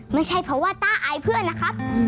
ไม่ใช่เพราะว่าต้าอายเพื่อนนะครับ